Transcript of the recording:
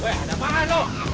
wih ada pangan lo